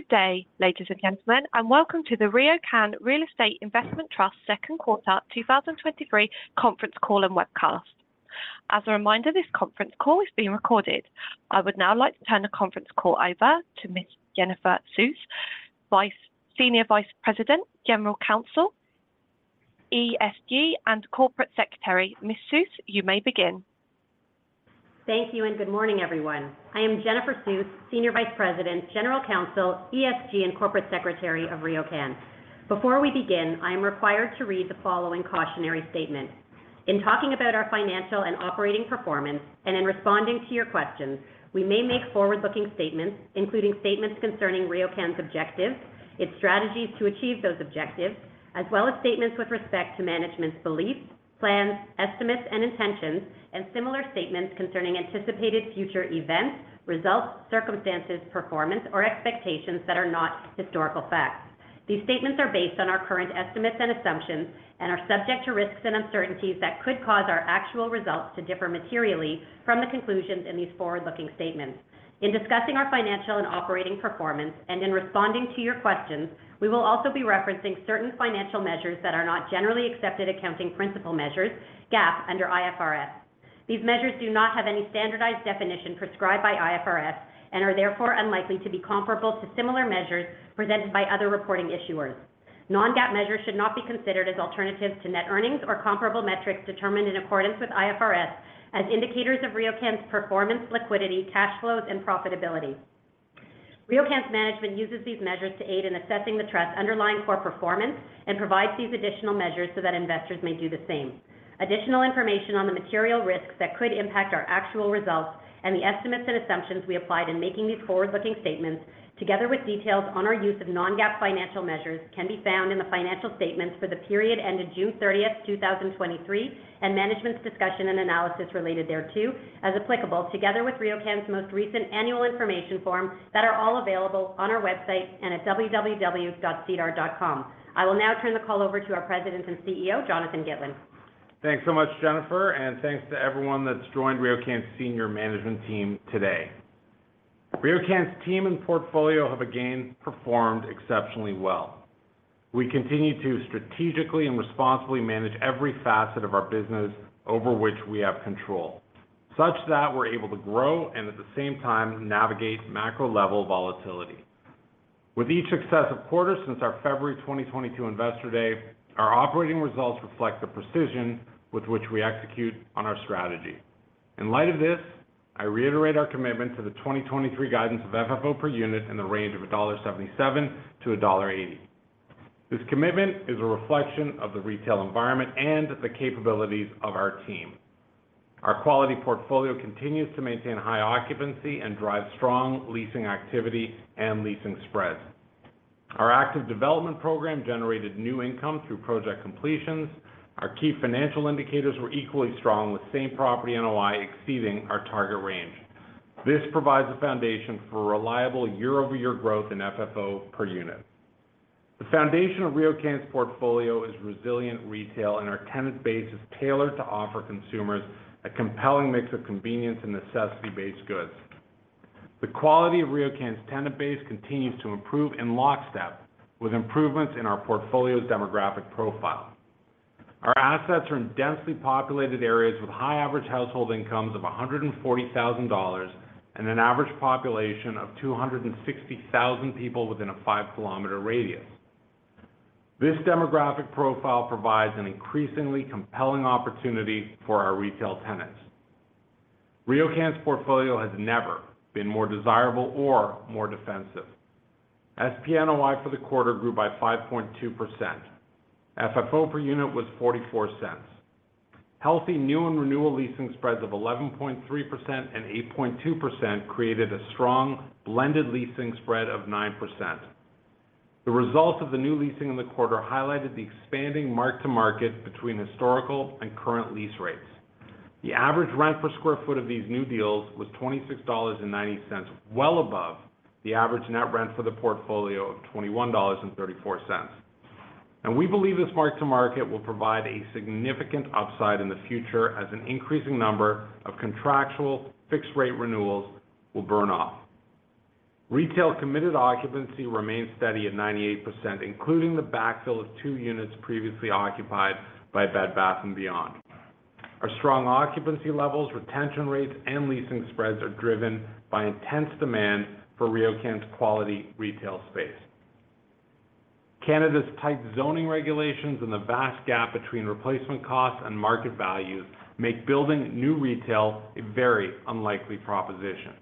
Good day, ladies and gentlemen, and welcome to the RioCan Real Estate Investment Trust second quarter 2023 conference call and webcast. As a reminder, this conference call is being recorded. I would now like to turn the conference call over to Ms. Jennifer Suess, Senior Vice President, General Counsel, ESG, and Corporate Secretary. Ms. Suess, you may begin. Thank you. Good morning, everyone. I am Jennifer Suess, Senior Vice President, General Counsel, ESG, and Corporate Secretary of RioCan. Before we begin, I am required to read the following cautionary statement: In talking about our financial and operating performance and in responding to your questions, we may make forward-looking statements, including statements concerning RioCan's objectives, its strategies to achieve those objectives, as well as statements with respect to management's beliefs, plans, estimates, and intentions, and similar statements concerning anticipated future events, results, circumstances, performance, or expectations that are not historical facts. These statements are based on our current estimates and assumptions and are subject to risks and uncertainties that could cause our actual results to differ materially from the conclusions in these forward-looking statements. In discussing our financial and operating performance and in responding to your questions, we will also be referencing certain financial measures that are not generally accepted accounting principle measures, GAAP, under IFRS. These measures do not have any standardized definition prescribed by IFRS and are therefore unlikely to be comparable to similar measures presented by other reporting issuers. Non-GAAP measures should not be considered as alternatives to net earnings or comparable metrics determined in accordance with IFRS as indicators of RioCan's performance, liquidity, cash flows, and profitability. RioCan's management uses these measures to aid in assessing the Trust's underlying core performance and provides these additional measures so that investors may do the same. Additional information on the material risks that could impact our actual results and the estimates and assumptions we applied in making these forward-looking statements, together with details on our use of non-GAAP financial measures, can be found in the financial statements for the period ended June 30th, 2023, and management's discussion and analysis related thereto, as applicable, together with RioCan's most recent annual information form, that are all available on our website and at www.sedar.com. I will now turn the call over to our President and CEO, Jonathan Gitlin. Thanks so much, Jennifer, and thanks to everyone that's joined RioCan's senior management team today. RioCan's team and portfolio have again performed exceptionally well. We continue to strategically and responsibly manage every facet of our business over which we have control, such that we're able to grow and at the same time navigate macro-level volatility. With each success of quarter since our February 2022 Investor Day, our operating results reflect the precision with which we execute on our strategy. In light of this, I reiterate our commitment to the 2023 guidance of FFO per unit in the range of 1.77-1.80 dollar. This commitment is a reflection of the retail environment and the capabilities of our team. Our quality portfolio continues to maintain high occupancy and drive strong leasing activity and leasing spreads. Our active development program generated new income through project completions. Our key financial indicators were equally strong, with Same Property NOI exceeding our target range. This provides a foundation for reliable year-over-year growth in FFO per unit. The foundation of RioCan's portfolio is resilient retail, and our tenant base is tailored to offer consumers a compelling mix of convenience and necessity-based goods. The quality of RioCan's tenant base continues to improve in lockstep with improvements in our portfolio's demographic profile. Our assets are in densely populated areas with high average household incomes of 140,000 dollars and an average population of 260,000 people within a 5 km radius. This demographic profile provides an increasingly compelling opportunity for our retail tenants. RioCan's portfolio has never been more desirable or more defensive. SPNOI for the quarter grew by 5.2%. FFO per unit was 0.44. Healthy new and renewal leasing spreads of 11.3% and 8.2% created a strong blended leasing spread of 9%. The result of the new leasing in the quarter highlighted the expanding mark-to-market between historical and current lease rates. The average rent per square foot of these new deals was 26.90 dollars, well above the average net rent for the portfolio of 21.34 dollars. We believe this mark-to-market will provide a significant upside in the future as an increasing number of contractual fixed-rate renewals will burn off. Retail committed occupancy remains steady at 98%, including the backfill of two units previously occupied by Bed Bath & Beyond. Our strong occupancy levels, retention rates, and leasing spreads are driven by intense demand for RioCan's quality retail space. Canada's tight zoning regulations and the vast gap between replacement costs and market values make building new retail a very unlikely proposition.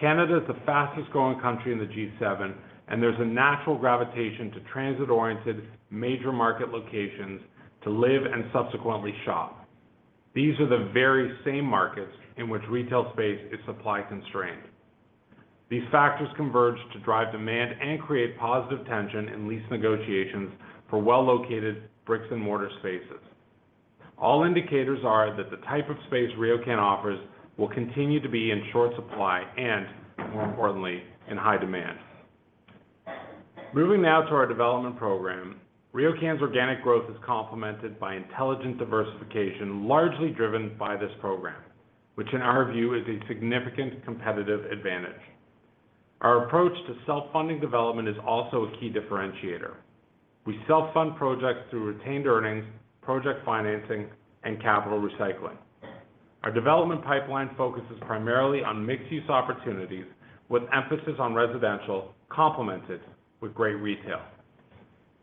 Canada is the fastest-growing country in the G7, there's a natural gravitation to transit-oriented, major market locations to live and subsequently shop. These are the very same markets in which retail space is supply constrained. These factors converge to drive demand and create positive tension in lease negotiations for well-located bricks-and-mortar spaces. All indicators are that the type of space RioCan offers will continue to be in short supply and, more importantly, in high demand. Moving now to our development program, RioCan's organic growth is complemented by intelligent diversification, largely driven by this program, which in our view, is a significant competitive advantage. Our approach to self-funding development is also a key differentiator. We self-fund projects through retained earnings, project financing, and capital recycling. Our development pipeline focuses primarily on mixed-use opportunities, with emphasis on residential, complemented with great retail.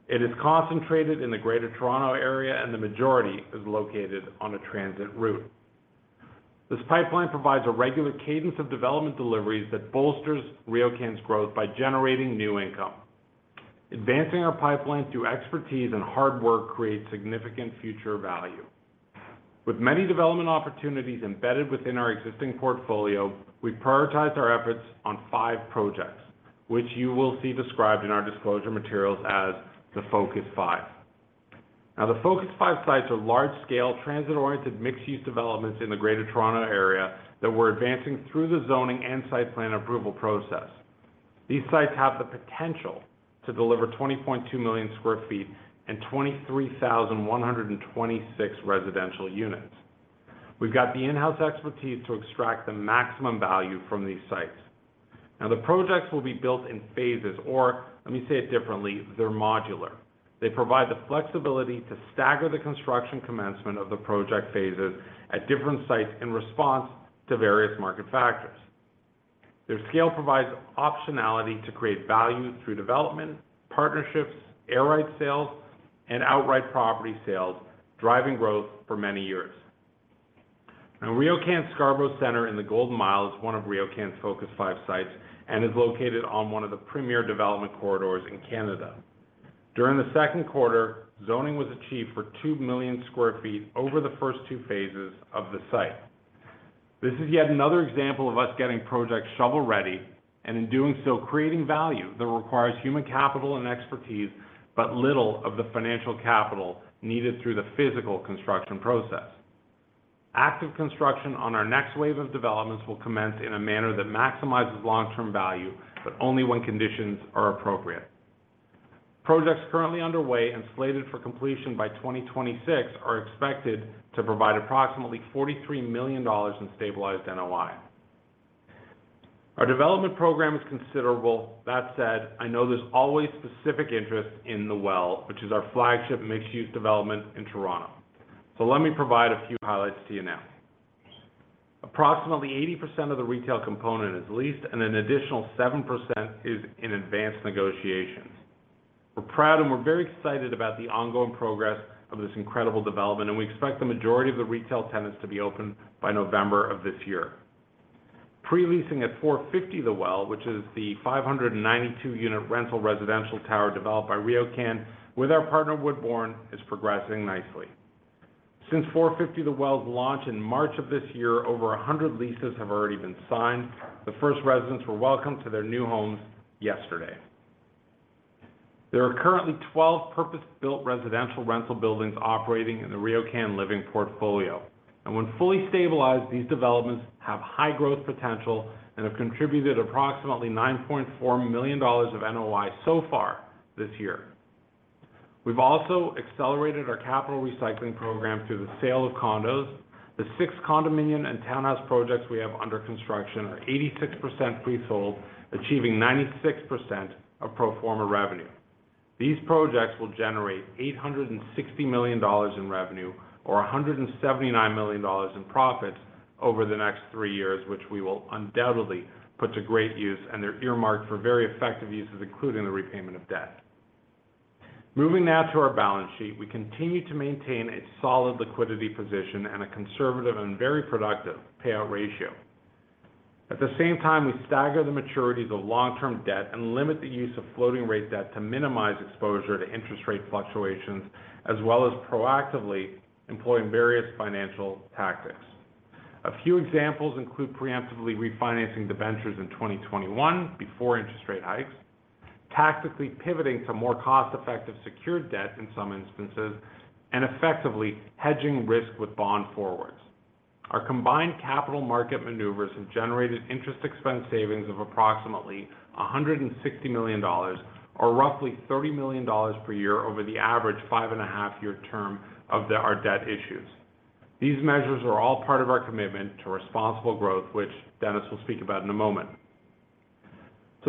It is concentrated in the Greater Toronto Area. The majority is located on a transit route. This pipeline provides a regular cadence of development deliveries that bolsters RioCan's growth by generating new income. Advancing our pipeline through expertise and hard work creates significant future value. With many development opportunities embedded within our existing portfolio, we prioritize our efforts on five projects, which you will see described in our disclosure materials as the Focus Five. Now, the Focus Five sites are large-scale, transit-oriented, mixed-use developments in the Greater Toronto Area that we're advancing through the zoning and site plan approval process. These sites have the potential to deliver 20.2 million sq ft and 23,126 residential units. We've got the in-house expertise to extract the maximum value from these sites. Now, the projects will be built in phases, or let me say it differently, they're modular. They provide the flexibility to stagger the construction commencement of the project phases at different sites in response to various market factors. Their scale provides optionality to create value through development, partnerships, air rights sales, and outright property sales, driving growth for many years. Now, RioCan Scarborough Center in the Golden Mile is one of RioCan's Focus Five sites and is located on one of the premier development corridors in Canada. During the second quarter, zoning was achieved for 2 million sq ft over the first two phases of the site. This is yet another example of us getting projects shovel-ready, and in doing so, creating value that requires human capital and expertise, but little of the financial capital needed through the physical construction process. Active construction on our next wave of developments will commence in a manner that maximizes long-term value, but only when conditions are appropriate. Projects currently underway and slated for completion by 2026 are expected to provide approximately 43 million dollars in stabilized NOI. Our development program is considerable. That said, I know there's always specific interest in The Well, which is our flagship mixed-use development in Toronto. Let me provide a few highlights to you now. Approximately 80% of the retail component is leased, and an additional 7% is in advanced negotiations. We're proud we're very excited about the ongoing progress of this incredible development, and we expect the majority of the retail tenants to be open by November of this year. Pre-leasing at FourFifty The Well, which is the 592-unit rental residential tower developed by RioCan with our partner, Woodbourne, is progressing nicely. Since FourFifty The Well's launch in March of this year, over 100 leases have already been signed. The first residents were welcomed to their new homes yesterday. There are currently 12 purpose-built residential rental buildings operating in the RioCan Living portfolio. When fully stabilized, these developments have high growth potential and have contributed approximately 9.4 million dollars of NOI so far this year. We've also accelerated our capital recycling program through the sale of condos. The six condominium and townhouse projects we have under construction are 86% pre-sold, achieving 96% of pro forma revenue. These projects will generate 860 million dollars in revenue, or 179 million dollars in profit over the next three years, which we will undoubtedly put to great use, and they're earmarked for very effective uses, including the repayment of debt. Moving now to our balance sheet, we continue to maintain a solid liquidity position and a conservative and very productive payout ratio. At the same time, we stagger the maturities of long-term debt and limit the use of floating rate debt to minimize exposure to interest rate fluctuations, as well as proactively employing various financial tactics. A few examples include preemptively refinancing debentures in 2021 before interest rate hikes, tactically pivoting to more cost-effective secured debt in some instances, and effectively hedging risk with bond forwards. Our combined capital market maneuvers have generated interest expense savings of approximately 160 million dollars, or roughly 30 million dollars per year over the average 5.5-year term of our debt issues. These measures are all part of our commitment to responsible growth, which Dennis will speak about in a moment.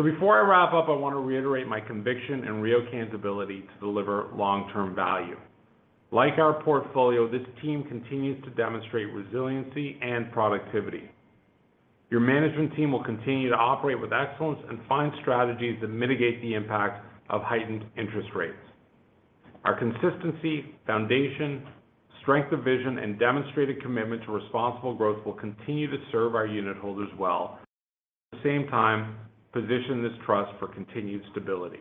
Before I wrap up, I want to reiterate my conviction in RioCan's ability to deliver long-term value. Like our portfolio, this team continues to demonstrate resiliency and productivity. Your management team will continue to operate with excellence and find strategies that mitigate the impact of heightened interest rates. Our consistency, foundation, strength of vision, and demonstrated commitment to responsible growth will continue to serve our unitholders well, at the same time, position this trust for continued stability.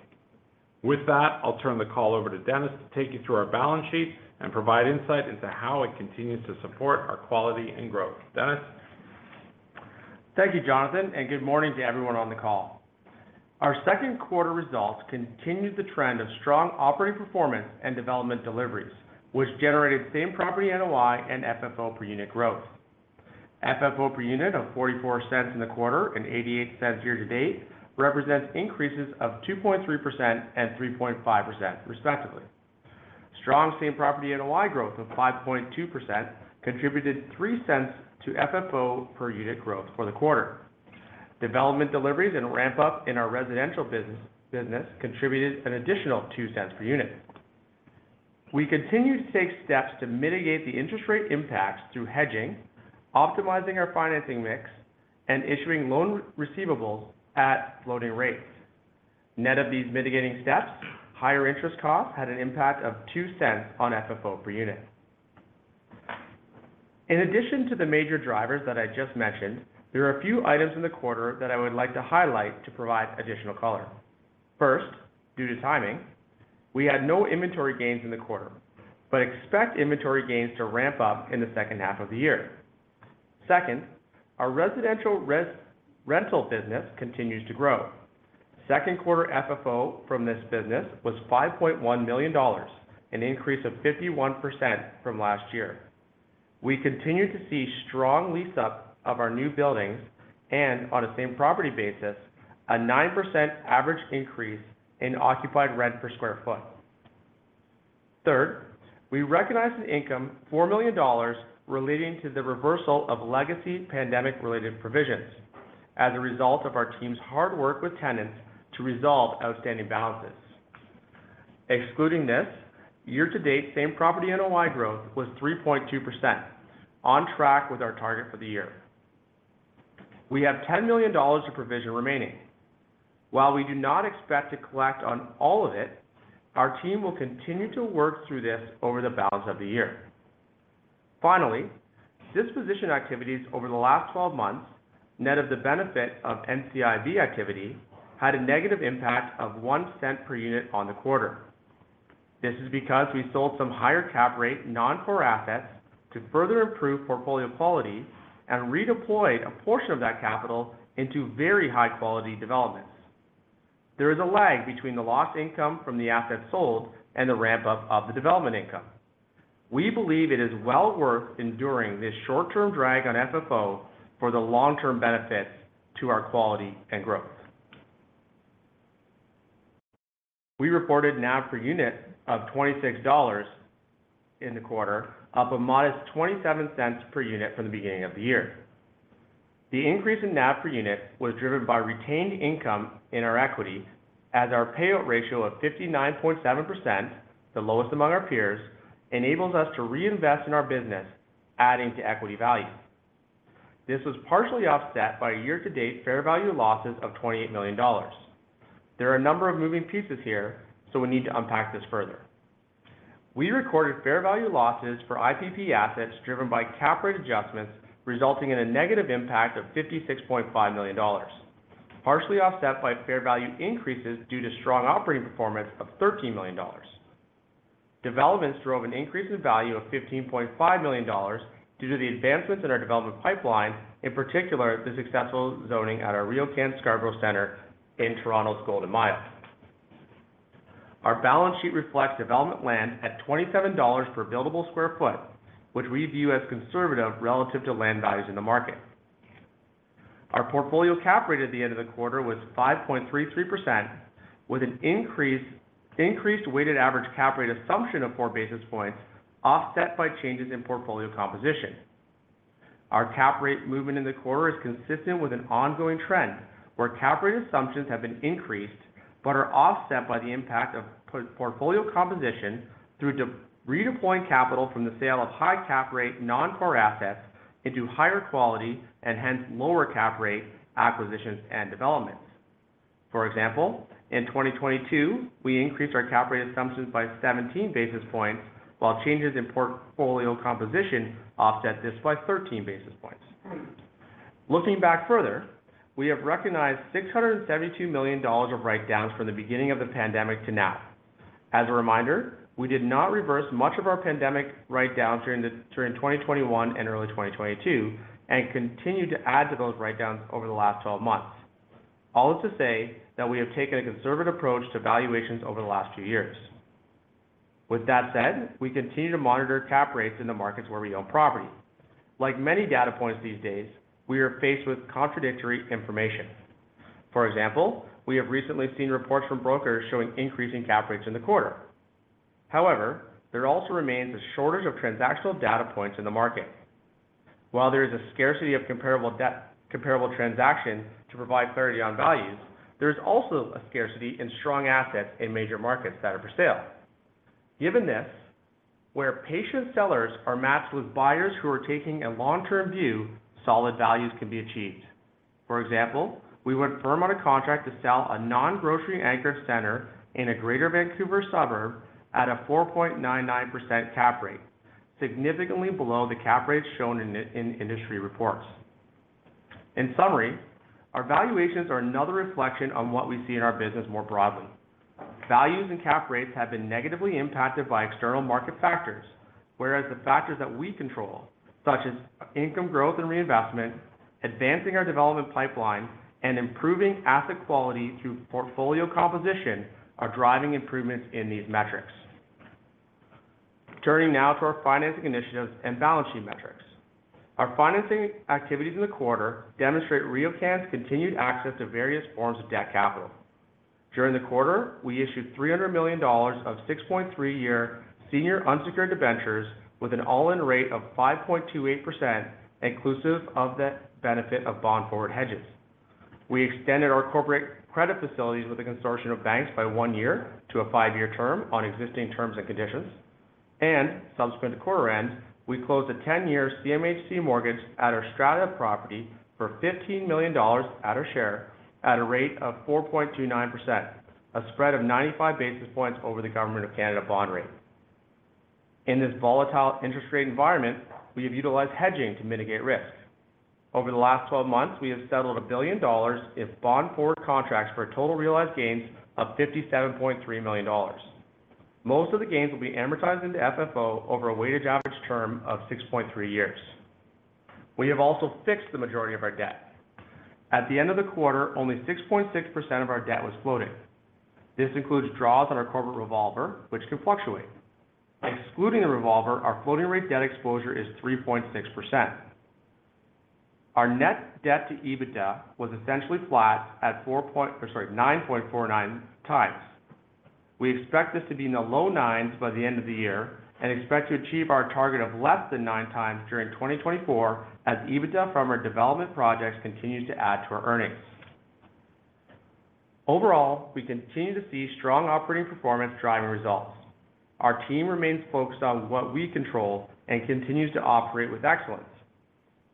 With that, I'll turn the call over to Dennis to take you through our balance sheet and provide insight into how it continues to support our quality and growth. Dennis? Thank you, Jonathan, and good morning to everyone on the call. Our second quarter results continued the trend of strong operating performance and development deliveries, which generated Same Property NOI and FFO per unit growth. FFO per unit of 0.44 in the quarter and 0.88 year-to-date, represents increases of 2.3% and 3.5% respectively. Strong same property NOI growth of 5.2% contributed 0.03 to FFO per unit growth for the quarter. Development deliveries and ramp up in our residential business contributed an additional 0.02 per unit. We continued to take steps to mitigate the interest rate impacts through hedging, optimizing our financing mix, and issuing loan receivables at floating rates. Net of these mitigating steps, higher interest costs had an impact of 0.02 on FFO per unit. In addition to the major drivers that I just mentioned, there are a few items in the quarter that I would like to highlight to provide additional color. First, due to timing, we had no inventory gains in the quarter, but expect inventory gains to ramp up in the second half of the year. Second, our residential rental business continues to grow. Second quarter FFO from this business was 5.1 million dollars, an increase of 51% from last year. We continue to see strong lease up of our new buildings and on a same property basis, a 9% average increase in occupied rent per sq ft. Third, we recognized an income, 4 million dollars, relating to the reversal of legacy pandemic-related provisions as a result of our team's hard work with tenants to resolve outstanding balances. Excluding this, year-to-date, same property NOI growth was 3.2%, on track with our target for the year. We have 10 million dollars to provision remaining. While we do not expect to collect on all of it, our team will continue to work through this over the balance of the year. Finally, disposition activities over the last 12 months, net of the benefit of NCIB activity, had a negative impact of 0.01 per unit on the quarter. This is because we sold some higher cap rate, non-core assets to further improve portfolio quality and redeployed a portion of that capital into very high-quality developments. There is a lag between the lost income from the assets sold and the ramp-up of the development income. We believe it is well worth enduring this short-term drag on FFO for the long-term benefits to our quality and growth. We reported NAV per unit of 26 dollars in the quarter, up a modest 0.27 per unit from the beginning of the year. The increase in NAV per unit was driven by retained income in our equity as our payout ratio of 59.7%, the lowest among our peers, enables us to reinvest in our business, adding to equity value. This was partially offset by a year-to-date fair value losses of 28 million dollars. There are a number of moving pieces here. We need to unpack this further. We recorded fair value losses for IPP assets driven by cap rate adjustments, resulting in a negative impact of 56.5 million dollars, partially offset by fair value increases due to strong operating performance of 13 million dollars. Developments drove an increase in value of 15.5 million dollars due to the advancements in our development pipeline, in particular, the successful zoning at our RioCan Scarborough Center in Toronto's Golden Mile. Our balance sheet reflects development land at 27 dollars per buildable square foot, which we view as conservative relative to land values in the market. Our portfolio cap rate at the end of the quarter was 5.33%, with an increased weighted average cap rate assumption of 4 basis points, offset by changes in portfolio composition. Our cap rate movement in the quarter is consistent with an ongoing trend, where cap rate assumptions have been increased, but are offset by the impact of portfolio composition through redeploying capital from the sale of high cap rate, non-core assets into higher quality and hence lower cap rate, acquisitions, and developments. For example, in 2022, we increased our cap rate assumptions by 17 basis points, while changes in portfolio composition offset this by 13 basis points. Looking back further, we have recognized 672 million dollars of write-downs from the beginning of the pandemic to now. As a reminder, we did not reverse much of our pandemic write-down during 2021 and early 2022, and continued to add to those write-downs over the last 12 months. All to say, that we have taken a conservative approach to valuations over the last two years. With that said, we continue to monitor cap rates in the markets where we own property. Like many data points these days, we are faced with contradictory information. For example, we have recently seen reports from brokers showing increasing cap rates in the quarter. However, there also remains a shortage of transactional data points in the market. While there is a scarcity of comparable debt, comparable transactions to provide clarity on values, there is also a scarcity in strong assets in major markets that are for sale. Given this, where patient sellers are matched with buyers who are taking a long-term view, solid values can be achieved. For example, we went firm on a contract to sell a non-grocery anchor center in a Greater Vancouver suburb at a 4.99% cap rate, significantly below the cap rates shown in industry reports. In summary, our valuations are another reflection on what we see in our business more broadly. Values and cap rates have been negatively impacted by external market factors, whereas the factors that we control, such as income growth and reinvestment, advancing our development pipeline, and improving asset quality through portfolio composition, are driving improvements in these metrics. Turning now to our financing initiatives and balance sheet metrics. Our financing activities in the quarter demonstrate RioCan's continued access to various forms of debt capital. During the quarter, we issued 300 million dollars of 6.3-year senior unsecured debentures, with an all-in rate of 5.28%, inclusive of the benefit of bond forward hedges. We extended our corporate credit facilities with a consortium of banks by one year to a five-year term on existing terms and conditions. Subsequent to quarter end, we closed a 10-year CMHC mortgage at our strata property for 15 million dollars at our share at a rate of 4.29%, a spread of 95 basis points over the Government of Canada bond rate. In this volatile interest rate environment, we have utilized hedging to mitigate risk. Over the last 12 months, we have settled 1 billion dollars in bond forward contracts for a total realized gains of 57.3 million dollars. Most of the gains will be amortized into FFO over a weighted average term of 6.3 years. We have also fixed the majority of our debt. At the end of the quarter, only 6.6% of our debt was floating. This includes draws on our corporate revolver, which can fluctuate. Excluding the revolver, our floating rate debt exposure is 3.6%. Our net debt to EBITDA was essentially flat at 4.-- or sorry, 9.49x. We expect this to be in the low 9s by the end of the year, and expect to achieve our target of less than 9x during 2024, as EBITDA from our development projects continue to add to our earnings. Overall, we continue to see strong operating performance driving results. Our team remains focused on what we control and continues to operate with excellence.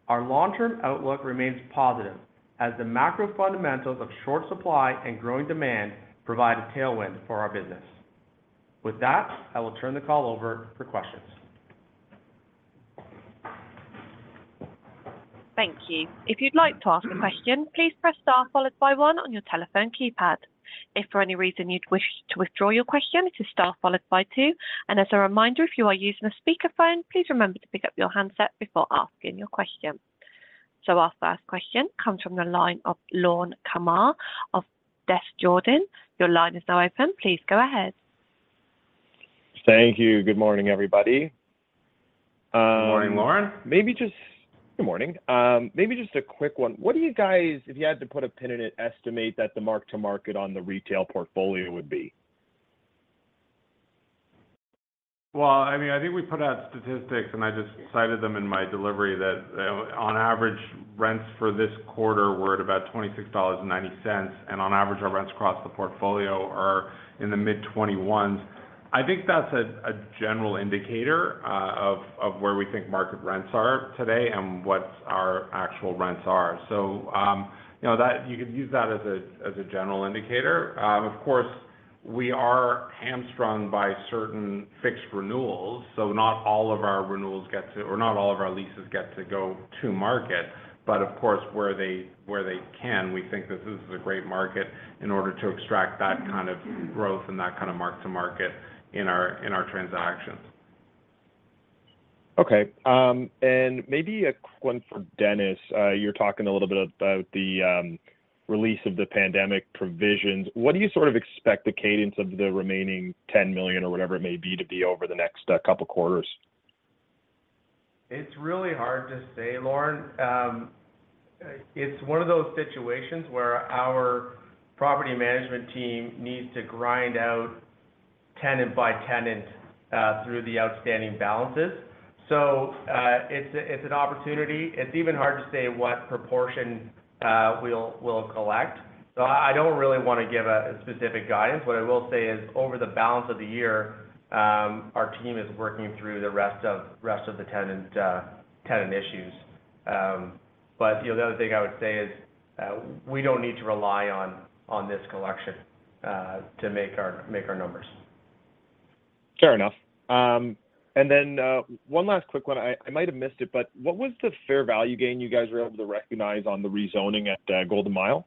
Our long-term outlook remains positive as the macro fundamentals of short supply and growing demand provide a tailwind for our business. With that, I will turn the call over for questions. Thank you. If you'd like to ask a question, please press Star followed by one on your telephone keypad. If for any reason you'd wish to withdraw your question, it is Star followed by two. As a reminder, if you are using a speakerphone, please remember to pick up your handset before asking your question. Our first question comes from the line of Lorne Kalmar of Desjardins. Your line is now open. Please go ahead. Thank you. Good morning, everybody, Good morning, Lorne. Good morning. Maybe just a quick one: What do you guys, if you had to put a pin in it, estimate that the mark-to-market on the retail portfolio would be? Well, I mean, I think we put out statistics, and I just cited them in my delivery, that, on average, rents for this quarter were at about 26.90 dollars, and on average, our rents across the portfolio are in the mid-CAD 21s. I think that's a, a general indicator, of, of where we think market rents are today and what our actual rents are. You know, you could use that as a, as a general indicator. Of course, we are hamstrung by certain fixed renewals, so not all of our renewals get to, or not all of our leases get to go to market, but of course, where they, where they can, we think this is a great market in order to extract that kind of growth and that kind of mark to market in our, in our transactions. Okay, maybe a quick one for Dennis. You're talking a little bit about the release of the pandemic provisions. What do you sort of expect the cadence of the remaining 10 million or whatever it may be, to be over the next couple quarters? It's really hard to say, Lorne. It's one of those situations where our property management team needs to grind out tenant by tenant through the outstanding balances. It's a, it's an opportunity. It's even hard to say what proportion we'll, we'll collect. I don't really want to give a, a specific guidance. What I will say is, over the balance of the year, our team is working through the rest of, rest of the tenant, tenant issues. You know, the other thing I would say is, we don't need to rely on, on this collection to make our, make our numbers. Fair enough. Then, one last quick one. I, I might have missed it, but what was the fair value gain you guys were able to recognize on the rezoning at Golden Mile?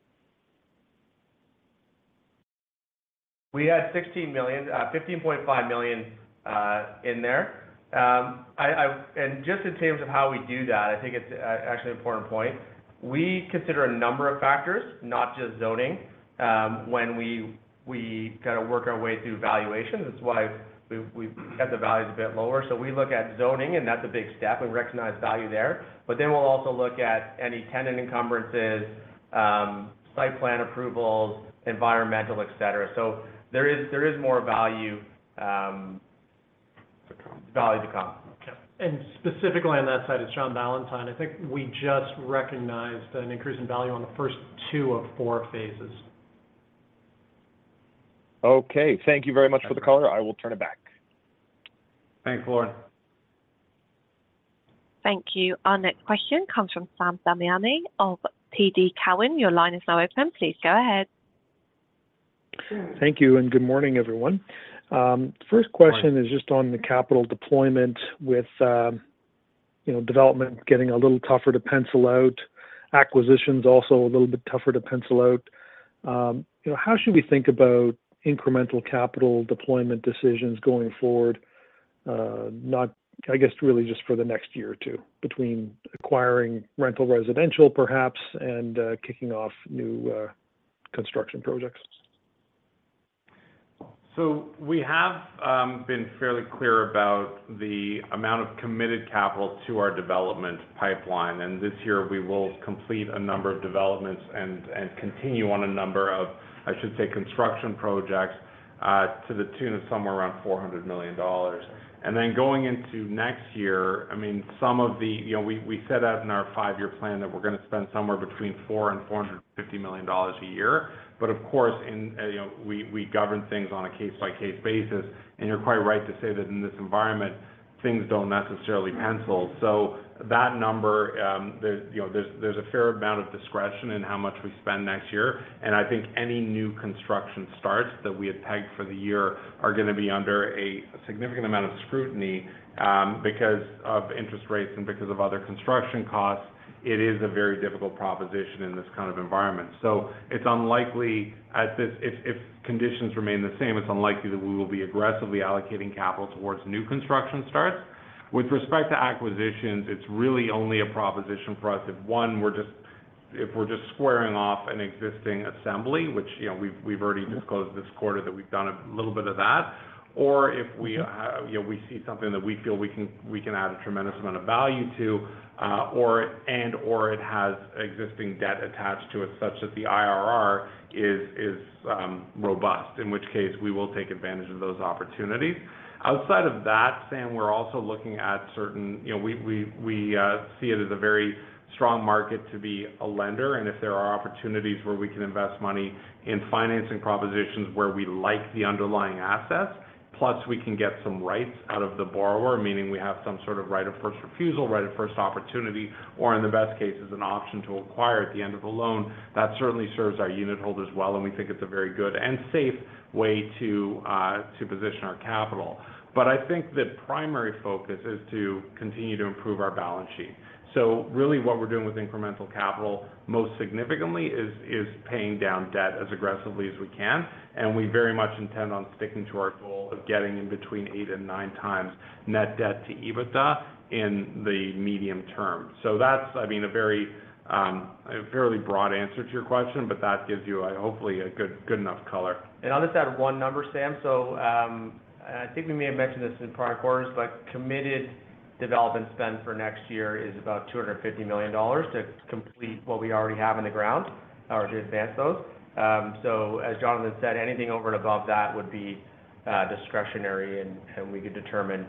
We had 16 million, 15.5 million in there. Just in terms of how we do that, I think it's actually an important point. We consider a number of factors, not just zoning, when we, we kind of work our way through valuations. That's why we've, we've got the values a bit lower. We look at zoning, and that's a big step, and we recognize value there. Then we'll also look at any tenant encumbrances, site plan approvals, environmental, et cetera. There is, there is more value. To come. Value to come. Okay. Specifically on that side, it's John Ballantyne. I think we just recognized an increase in value on the first two of four phases. Okay. Thank you very much for the color. I will turn it back. Thanks, Lorne. Thank you. Our next question comes from Sam Damiani of TD Cowen. Your line is now open. Please go ahead. Thank you, and good morning, everyone. First question is just on the capital deployment with, you know, development getting a little tougher to pencil out, acquisitions also a little bit tougher to pencil out. You know, how should we think about incremental capital deployment decisions going forward? Not, I guess, really just for the next year or two, between acquiring rental residential, perhaps, and kicking off new initiatives? construction projects? We have been fairly clear about the amount of committed capital to our development pipeline, this year we will complete a number of developments and continue on a number of, I should say, construction projects, to the tune of somewhere around 400 million dollars. Then going into next year, I mean, some of the, you know, we, we set out in our five-year plan that we're going to spend somewhere between 400 million-450 million dollars a year. Of course, in, you know, we, we govern things on a case-by-case basis, and you're quite right to say that in this environment, things don't necessarily pencil. That number, there's, you know, there's, there's a fair amount of discretion in how much we spend next year. I think any new construction starts that we had pegged for the year are going to be under a significant amount of scrutiny because of interest rates and because of other construction costs. It is a very difficult proposition in this kind of environment. It's unlikely if conditions remain the same, it's unlikely that we will be aggressively allocating capital towards new construction starts. With respect to acquisitions, it's really only a proposition for us if, one, if we're just squaring off an existing assembly, which, you know, we've, we've already disclosed this quarter that we've done a little bit of that, or if we have, you know, we see something that we feel we can, we can add a tremendous amount of value to, or, and/or it has existing debt attached to it, such that the IRR is, is robust. In which case, we will take advantage of those opportunities. Outside of that, Sam, we're also looking at certain... You know, we, we, we see it as a very strong market to be a lender, if there are opportunities where we can invest money in financing propositions where we like the underlying assets, plus we can get some rights out of the borrower, meaning we have some sort of right of first refusal, right of first opportunity, or in the best case, there's an option to acquire at the end of a loan, that certainly serves our unitholders well, and we think it's a very good and safe way to position our capital. I think the primary focus is to continue to improve our balance sheet. Really, what we're doing with incremental capital, most significantly, is, is paying down debt as aggressively as we can, and we very much intend on sticking to our goal of getting in between 8x and 9x net debt to EBITDA in the medium term. That's, I mean, a very, a fairly broad answer to your question, but that gives you, hopefully a good, good enough color. I'll just add one number, Sam. I think we may have mentioned this in prior quarters, but committed development spend for next year is about 250 million dollars to complete what we already have in the ground or to advance those. As Jonathan said, anything over and above that would be discretionary, and, and we could determine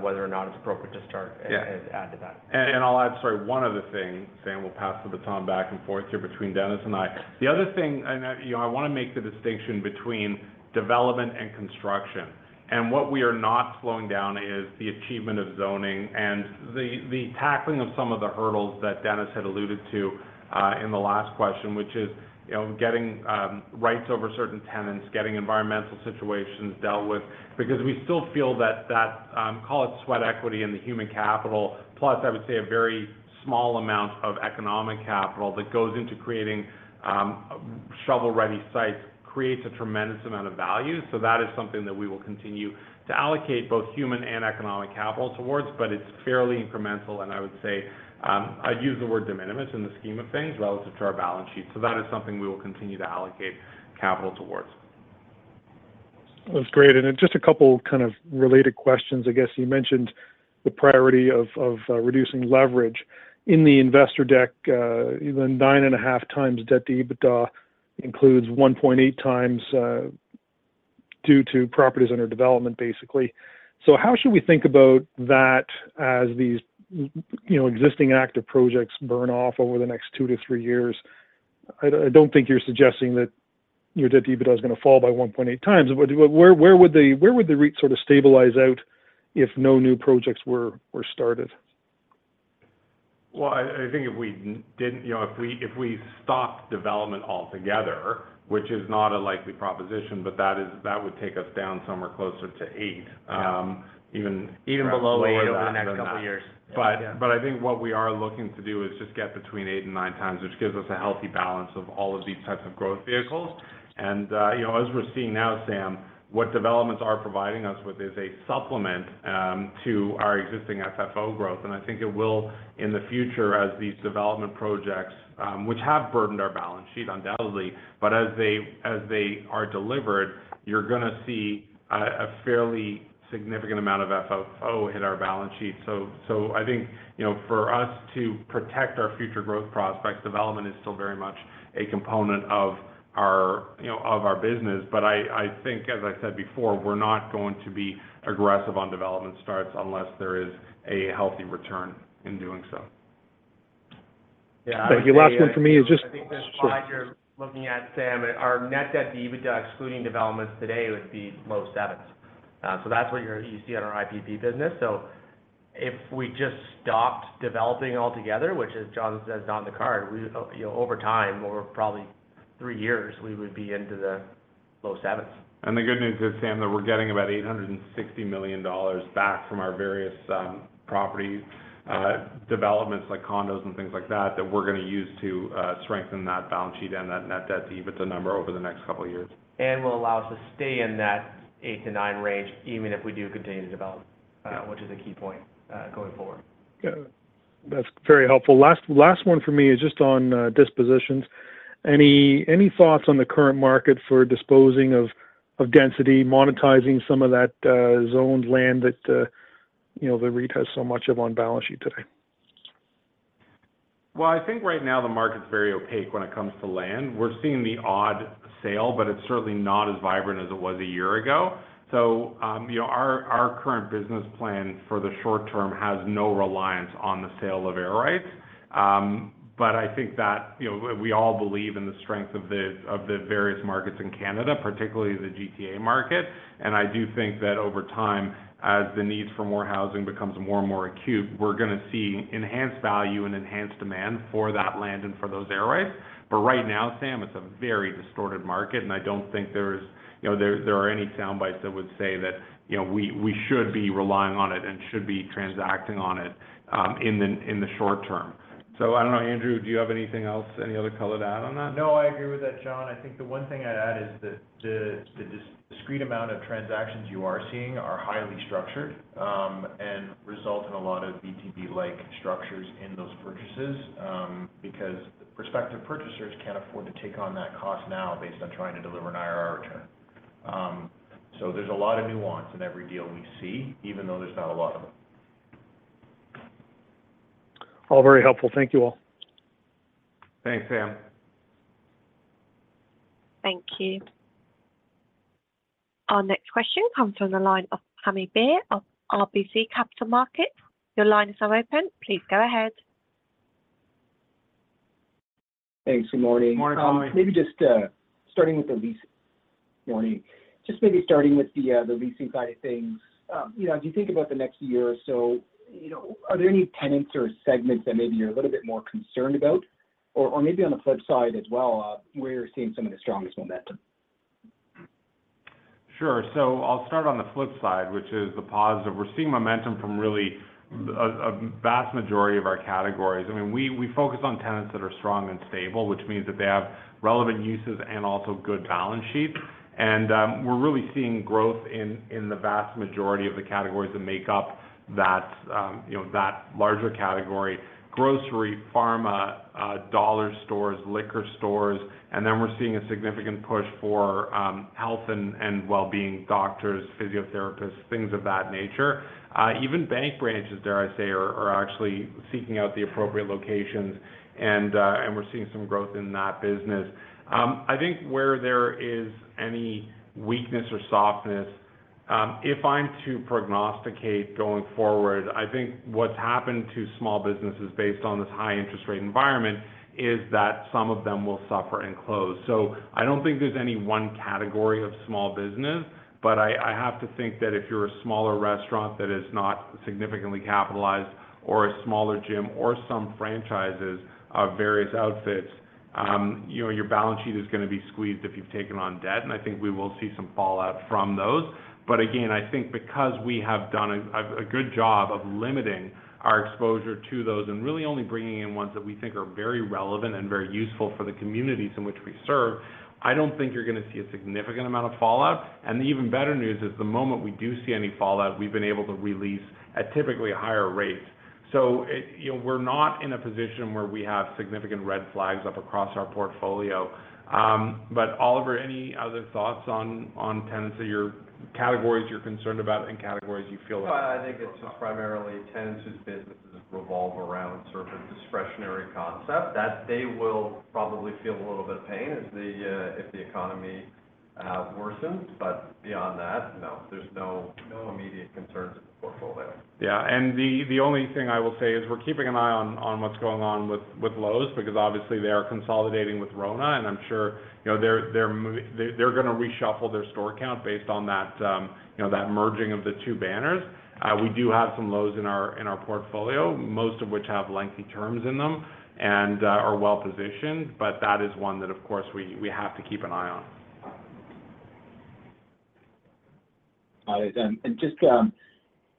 whether or not it's appropriate to start- Yeah add to that. I'll add, sorry, one other thing, Sam. We'll pass the baton back and forth here between Dennis and I. The other thing, you know, I wanna make the distinction between development and construction. What we are not slowing down is the achievement of zoning and the, the tackling of some of the hurdles that Dennis had alluded to in the last question, which is, you know, getting rights over certain tenants, getting environmental situations dealt with, because we still feel that, that call it sweat equity in the human capital, plus, I would say, a very small amount of economic capital that goes into creating shovel-ready sites, creates a tremendous amount of value. That is something that we will continue to allocate both human and economic capital towards, but it's fairly incremental, and I would say, I'd use the word de minimis in the scheme of things relative to our balance sheet. That is something we will continue to allocate capital towards. That's great. Then just a couple kind of related questions. I guess you mentioned the priority of, of, reducing leverage. In the investor deck, even 9.5x debt to EBITDA includes 1.8x, due to properties under development, basically. How should we think about that as these, you know, existing active projects burn off over the next two to three years? I, I don't think you're suggesting that your debt to EBITDA is going to fall by 1.8x, but where, where would the rate sort of stabilize out if no new projects were, were started? Well, I, I think if we didn't, you know, if we, if we stopped development altogether, which is not a likely proposition, but that is, that would take us down somewhere closer to eight, even. Even below that over the next couple of years. I think what we are looking to do is just get between 8x and 9x, which gives us a healthy balance of all of these types of growth vehicles. You know, as we're seeing now, Sam, what developments are providing us with is a supplement to our existing FFO growth. I think it will in the future as these development projects, which have burdened our balance sheet, undoubtedly, but as they, as they are delivered, you're gonna see a fairly significant amount of FFO hit our balance sheet. I think, you know, for us to protect our future growth prospects, development is still very much a component of our, you know, of our business. I think, as I said before, we're not going to be aggressive on development starts unless there is a healthy return in doing so. Yeah. Thank you. Last one for me is just- I think the slide you're looking at, Sam, our net debt to EBITDA, excluding developments today, would be low 7s. That's what you see on our IPP business. If we just stopped developing altogether, which as Jonathan says, not in the card, we, you know, over time, over probably three years, we would be into the low 7s. The good news is, Sam, that we're getting about 860 million dollars back from our various properties, developments, like condos and things like that, that we're gonna use to strengthen that balance sheet and that net debt to EBITDA number over the next couple of years. Will allow us to stay in that 8x-9x range, even if we do continue to develop, which is a key point going forward. Good. That's very helpful. Last, last one for me is just on dispositions. Any thoughts on the current market for disposing of density, monetizing some of that zoned land that, you know, the REIT has so much of on balance sheet today? Well, I think right now the market's very opaque when it comes to land. We're seeing the odd sale, but it's certainly not as vibrant as it was a year ago. You know, our, our current business plan for the short term has no reliance on the sale of air rights. I think that, you know, we all believe in the strength of the, of the various markets in Canada, particularly the GTA market. I do think that over time, as the need for more housing becomes more and more acute, we're going to see enhanced value and enhanced demand for that land and for those air rights. Right now, Sam, it's a very distorted market, and I don't think there's, you know, there, there are any sound bites that would say that, you know, we, we should be relying on it and should be transacting on it, in the, in the short term. I don't know, Andrew, do you have anything else, any other color to add on that? No, I agree with that, John. I think the one thing I'd add is that the, the discrete amount of transactions you are seeing are highly structured, and result in a lot of VTB-like structures in those purchases, because prospective purchasers can't afford to take on that cost now based on trying to deliver an IRR return. There's a lot of nuance in every deal we see, even though there's not a lot of them. All very helpful. Thank you, all. Thanks, Sam. Thank you. Our next question comes from the line of Pammi Bir of RBC Capital Markets. Your line is now open. Please go ahead. Thanks. Good morning. Good morning. Morning. Maybe just starting with the leasing side of things. You know, as you think about the next year or so, you know, are there any tenants or segments that maybe you're a little bit more concerned about? Or maybe on the flip side as well, where you're seeing some of the strongest momentum? Sure. I'll start on the flip side, which is the positive. We're seeing momentum from really a vast majority of our categories. I mean, we focus on tenants that are strong and stable, which means that they have relevant uses and also good balance sheet. We're really seeing growth in the vast majority of the categories that make up that, you know, that larger category: grocery, pharma, dollar stores, liquor stores, and then we're seeing a significant push for health and well-being, doctors, physiotherapists, things of that nature. Even bank branches, dare I say, are actually seeking out the appropriate locations, and we're seeing some growth in that business. I think where there is any weakness or softness, if I'm to prognosticate going forward, I think what's happened to small businesses based on this high interest rate environment is that some of them will suffer and close. I don't think there's any one category of small business, but I, I have to think that if you're a smaller restaurant that is not significantly capitalized, or a smaller gym, or some franchises of various outfits, you know, your balance sheet is going to be squeezed if you've taken on debt, and I think we will see some fallout from those. Again, I think because we have done a good job of limiting our exposure to those and really only bringing in ones that we think are very relevant and very useful for the communities in which we serve, I don't think you're going to see a significant amount of fallout. The even better news is, the moment we do see any fallout, we've been able to re-lease at typically higher rates. It, you know, we're not in a position where we have significant red flags up across our portfolio. Oliver, any other thoughts on, on tenants or your categories you're concerned about and categories you feel? I think it's just primarily tenants whose businesses revolve around sort of a discretionary concept, that they will probably feel a little bit of pain as the, if the economy, worsens. Beyond that, no, there's no, no immediate concerns in the portfolio. Yeah, the, the only thing I will say is we're keeping an eye on, on what's going on with, with Lowe's, because obviously they are consolidating with Rona, and I'm sure, you know, they're, they're gonna reshuffle their store count based on that, you know, that merging of the two banners. We do have some Lowe's in our, in our portfolio, most of which have lengthy terms in them and are well-positioned, that is one that, of course, we, we have to keep an eye on. Got it. Just,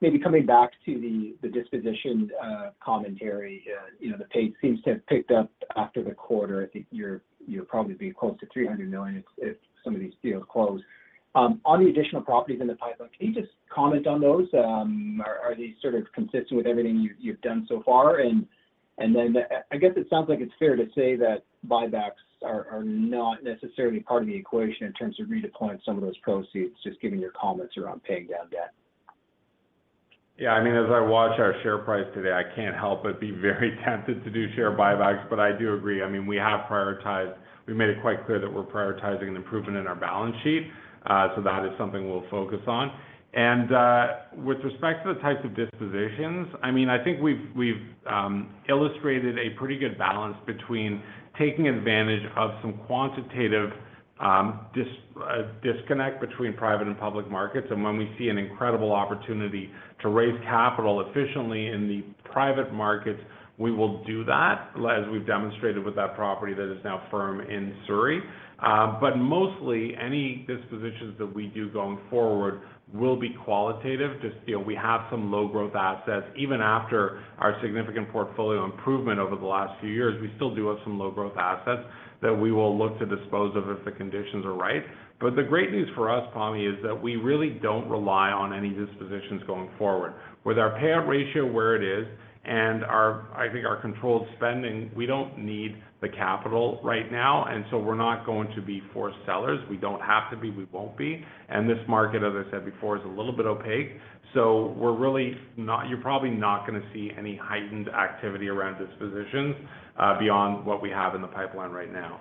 maybe coming back to the, the disposition commentary, you know, the pace seems to have picked up after the quarter. I think you'll probably be close to 300 million if some of these deals close. On the additional properties in the pipeline, can you just comment on those? Are these sort of consistent with everything you've done so far? I guess it sounds like it's fair to say that buybacks are not necessarily part of the equation in terms of redeploying some of those proceeds, just given your comments around paying down debt. Yeah, I mean, as I watch our share price today, I can't help but be very tempted to do share buybacks, but I do agree. I mean, we have made it quite clear that we're prioritizing an improvement in our balance sheet, so that is something we'll focus on. With respect to the types of dispositions, I mean, I think we've, we've illustrated a pretty good balance between taking advantage of some quantitative disconnect between private and public markets. When we see an incredible opportunity to raise capital efficiently in the private markets, we will do that, as we've demonstrated with that property that is now firm in Surrey. Mostly, any dispositions that we do going forward will be qualitative. Just, you know, we have some low-growth assets. Even after our significant portfolio improvement over the last few years, we still do have some low-growth assets that we will look to dispose of if the conditions are right. The great news for us, Pammi, is that we really don't rely on any dispositions going forward. With our payout ratio where it is and our, I think our controlled spending, we don't need the capital right now, and so we're not going to be forced sellers. We don't have to be. We won't be. This market, as I said before, is a little bit opaque, so we're really not, you're probably not going to see any heightened activity around dispositions beyond what we have in the pipeline right now....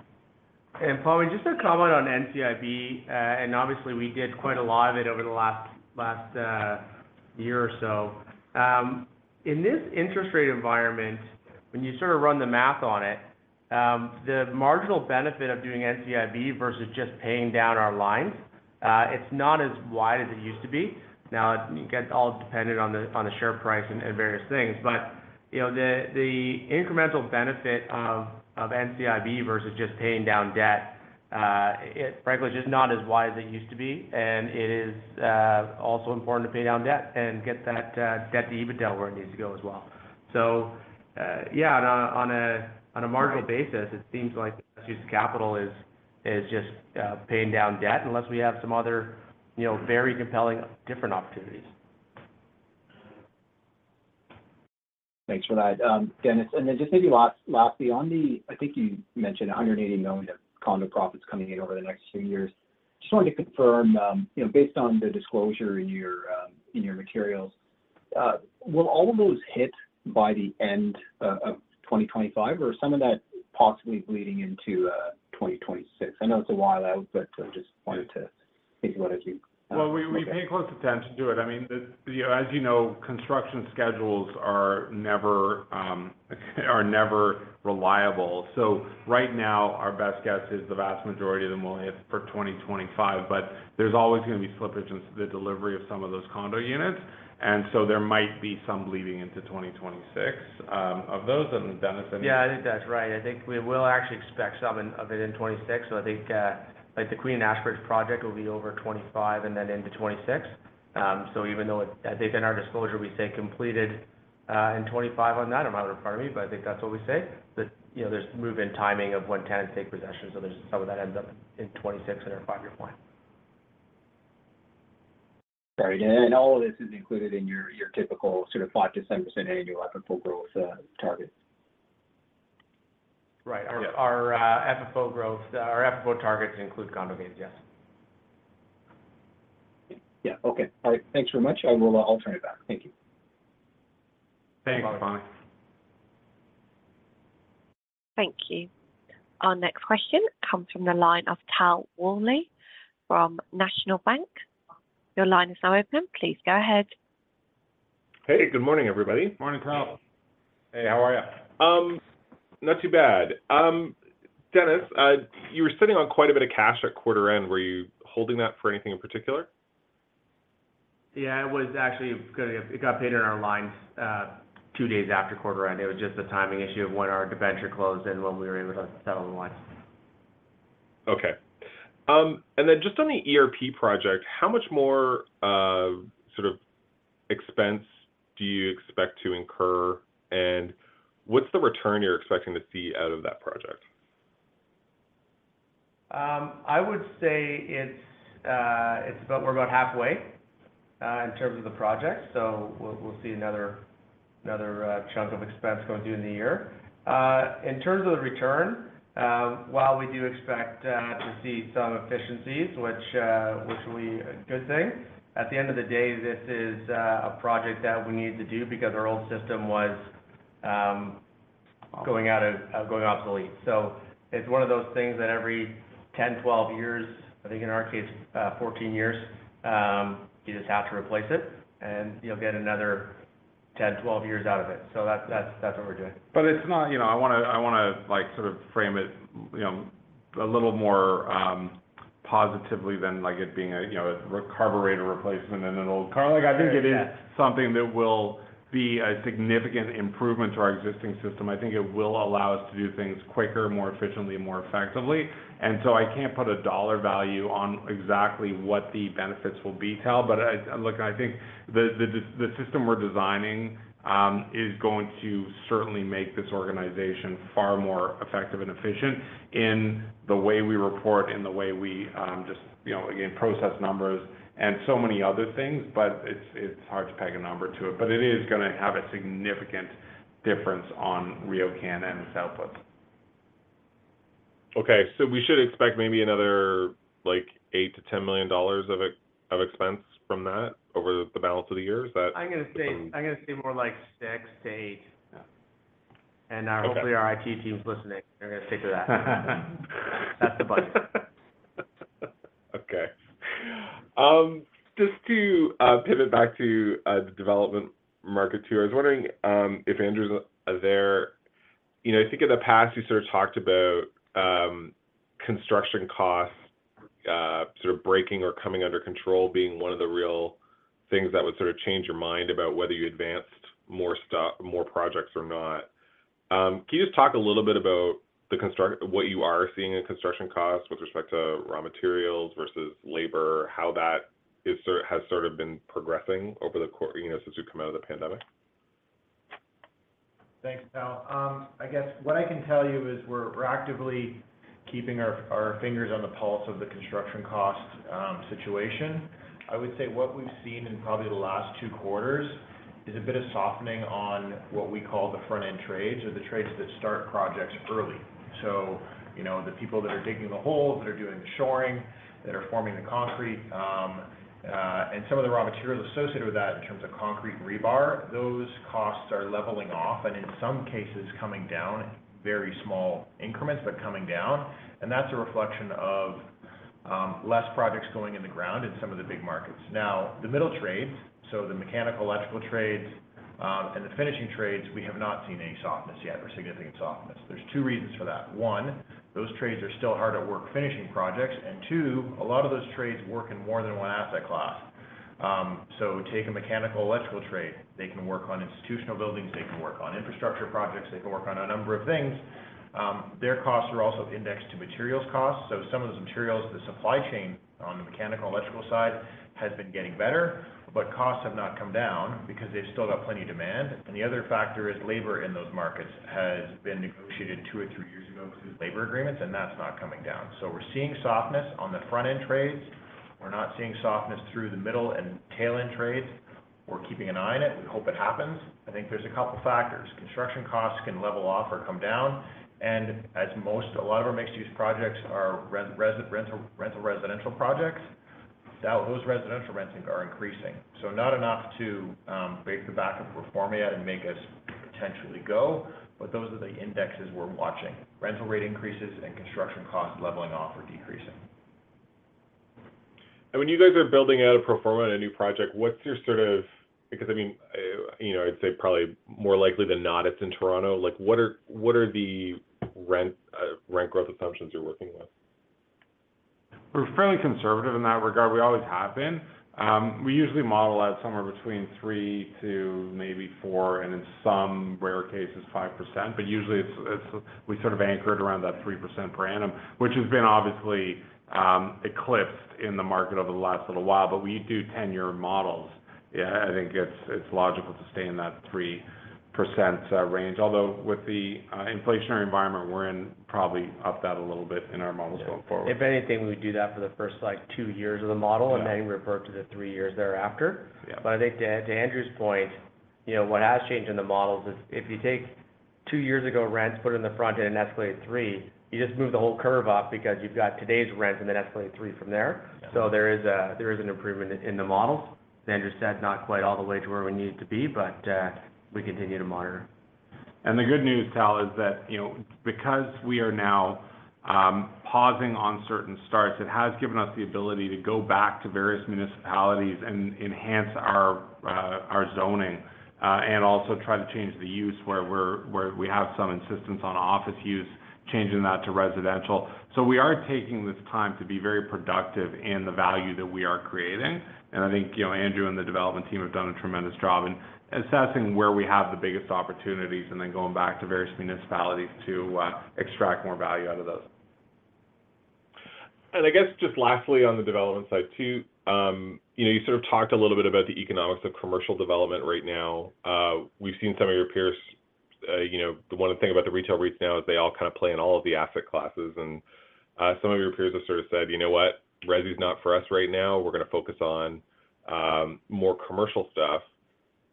Pammi, just a comment on NCIB. Obviously, we did quite a lot of it over the last, last year or so. In this interest rate environment, when you sort of run the math on it, the marginal benefit of doing NCIB versus just paying down our lines, it's not as wide as it used to be. Now, it gets all dependent on the, on the share price and, and various things, but, you know, the, the incremental benefit of, of NCIB versus just paying down debt, it frankly, is just not as wide as it used to be. It is also important to pay down debt and get that debt to EBITDA where it needs to go as well. Yeah, on a, on a, on a marginal basis, it seems like best use of capital is, is just, paying down debt unless we have some other, you know, very compelling different opportunities. Thanks for that. Dennis, and then just maybe last, last, I think you mentioned 180 million of condo profits coming in over the next few years. Just wanted to confirm, you know, based on the disclosure in your materials, will all of those hit by the end of 2025, or some of that possibly bleeding into 2026? I know it's a while out, but just wanted to think what if you. Well, we, we pay close attention to it. I mean, the, you know, as you know, construction schedules are never, are never reliable. Right now, our best guess is the vast majority of them will hit for 2025, but there's always gonna be slippage in the delivery of some of those condo units, and so there might be some bleeding into 2026. Of those, Dennis, I mean- Yeah, I think that's right. I think we will actually expect some of it in 2026. I think, like the Queen & Ashbridge project will be over 2025 and then into 2026. Even though I think in our disclosure, we say completed in 2025 on that. I might have to pardon me, but I think that's what we say. You know, there's move-in timing of when tenants take possession, so there's some of that ends up in 2026 in our five-year plan. Got it. All of this is included in your, your typical sort of 5% to 10% annual FFO growth, targets? Right. Yeah. Our, our FFO growth, our FFO targets include condo gains, yes. Yeah. Okay. All right. Thanks very much. I will, I'll turn it back. Thank you. Thanks, bye. Thank you. Our next question comes from the line of Tal Woolley from National Bank. Your line is now open. Please go ahead. Hey, good morning, everybody. Morning, Tal. Hey, how are you? Not too bad. Dennis, you were sitting on quite a bit of cash at quarter end. Were you holding that for anything in particular? Yeah, it was actually it got paid in our lines, two days after quarter end. It was just a timing issue of when our debenture closed and when we were able to settle the lines. Okay. Then just on the ERP project, how much more sort of expense do you expect to incur, and what's the return you're expecting to see out of that project? I would say it's, we're about halfway, in terms of the project, so we'll, we'll see another, another, chunk of expense going due in the year. In terms of the return, while we do expect, to see some efficiencies, which, which will be a good thing. At the end of the day, this is, a project that we need to do because our old system was, going obsolete. It's one of those things that every 10, 12 years, I think in our case, 14 years, you just have to replace it, and you'll get another 10, 12 years out of it. That's, that's, that's what we're doing. It's not... You know, I wanna, I wanna, like, sort of frame it, you know, a little more positively than, like, it being a, you know, a carburetor replacement in an old car. Yeah. Like, I think it is something that will be a significant improvement to our existing system. I think it will allow us to do things quicker, more efficiently, and more effectively. I can't put a dollar value on exactly what the benefits will be, Tal, but I look, I think the, the, the system we're designing, is going to certainly make this organization far more effective and efficient in the way we report, in the way we, just, you know, again, process numbers and so many other things. It's, it's hard to peg a number to it. It is gonna have a significant difference on RioCan and its output. Okay. We should expect maybe another, like, 8 million-10 million dollars of expense from that over the balance of the years? I'm gonna say, I'm gonna say more like 6 million-8 million. Yeah. And, uh- Okay hopefully, our IT team's listening, they're gonna stick to that. That's the budget. Okay. Just to pivot back to the development market too, I was wondering if Andrew's there. You know, I think in the past you sort of talked about construction costs sort of breaking or coming under control, being one of the real things that would sort of change your mind about whether you advanced more stock, more projects or not. Can you just talk a little bit about what you are seeing in construction costs with respect to raw materials versus labor, how that has sort of been progressing over the quarter, you know, since we've come out of the pandemic? Thanks, Tal. I guess what I can tell you is we're, we're actively keeping our, our fingers on the pulse of the construction cost situation. I would say what we've seen in probably the last two quarters is a bit of softening on what we call the front-end trades or the trades that start projects early. You know, the people that are digging the holes, that are doing the shoring, that are forming the concrete, and some of the raw materials associated with that, in terms of concrete and rebar, those costs are leveling off, and in some cases, coming down. Very small increments, but coming down. That's a reflection of-... less projects going in the ground in some of the big markets. The middle trades, so the mechanical, electrical trades, and the finishing trades, we have not seen any softness yet or significant softness. There's two reasons for that: one, those trades are still hard at work finishing projects, and two, a lot of those trades work in more than one asset class. Take a mechanical, electrical trade. They can work on institutional buildings, they can work on infrastructure projects, they can work on a number of things. Their costs are also indexed to materials costs. Some of those materials, the supply chain on the mechanical, electrical side, has been getting better, but costs have not come down because they've still got plenty of demand. The other factor is labor in those markets has been negotiated two or three years ago through labor agreements, and that's not coming down. We're seeing softness on the front-end trades. We're not seeing softness through the middle and tail-end trades. We're keeping an eye on it, and we hope it happens. I think there's a couple factors. Construction costs can level off or come down. A lot of our mixed-use projects are rental residential projects. Now, those residential rents are increasing. Not enough to break the back of pro forma yet and make us potentially go, but those are the indexes we're watching. Rental rate increases and construction costs leveling off or decreasing. When you guys are building out a pro forma on a new project, what's your sort of... Because, I mean, you know, I'd say probably more likely than not, it's in Toronto. Like, what are, what are the rent, rent growth assumptions you're working with? We're fairly conservative in that regard. We always have been. We usually model out somewhere between 3% to maybe 4%, and in some rare cases, 5%, but usually it's we sort of anchor it around that 3% per annum, which has been obviously eclipsed in the market over the last little while, but we do 10-year models. Yeah, I think it's logical to stay in that 3% range. Although, with the inflationary environment we're in, probably up that a little bit in our models going forward. If anything, we do that for the first, like, two years of the model. Yeah... and then revert to the 3 years thereafter. Yeah. I think to, to Andrew's point, you know, what has changed in the models is, if you take two years ago rents, put it in the front end and escalate three, you just move the whole curve up because you've got today's rents and then escalate three from there. Yeah. There is an improvement in the models. As Andrew said, not quite all the way to where we need it to be, but, we continue to monitor. The good news, Tal, is that, you know, because we are now pausing on certain starts, it has given us the ability to go back to various municipalities and enhance our zoning and also try to change the use where we have some insistence on office use, changing that to residential. We are taking this time to be very productive in the value that we are creating. I think, you know, Andrew and the development team have done a tremendous job in assessing where we have the biggest opportunities, and then going back to various municipalities to extract more value out of those. I guess just lastly on the development side, too, you know, you sort of talked a little bit about the economics of commercial development right now. We've seen some of your peers, you know. The one thing about the retail REITs now is they all kind of play in all of the asset classes. Some of your peers have sort of said, "You know what? Resi's not for us right now. We're gonna focus on more commercial stuff."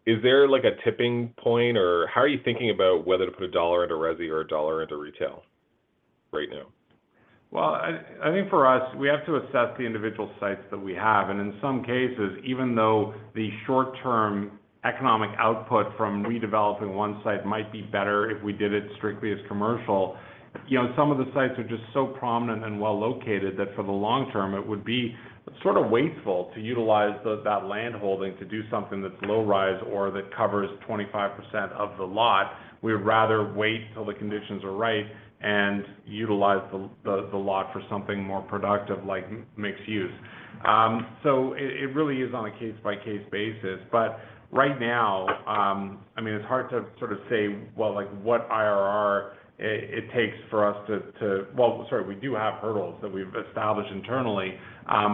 Is there, like, a tipping point, or how are you thinking about whether to put CAD 1 into resi or CAD 1 into retail right now? Well, I think for us, we have to assess the individual sites that we have. In some cases, even though the short-term economic output from redeveloping one site might be better if we did it strictly as commercial, you know, some of the sites are just so prominent and well-located that for the long term, it would be sort of wasteful to utilize that land holding to do something that's low rise or that covers 25% of the lot. We'd rather wait till the conditions are right and utilize the lot for something more productive, like mixed use. So it really is on a case-by-case basis. Right now, I mean, it's hard to sort of say, well, like, what IRR it takes for us to... Well, sorry, we do have hurdles that we've established internally,